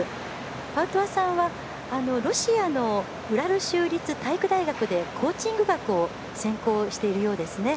パウトワさんはロシアの大学でコーチング学を専攻しているようですね。